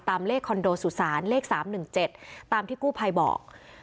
เลขคอนโดสุสานเลข๓๑๗ตามที่กู้ภัยบอก